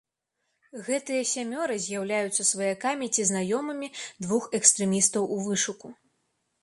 Гэтыя сямёра з'яўляюцца сваякамі ці знаёмымі двух экстрэмістаў у вышуку.